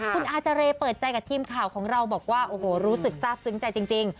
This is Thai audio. คุณอาเจรเปิดใจกับทีมข่าวของเราบอกว่าโอ้โหรู้สึกทราบซึ้งใจจริง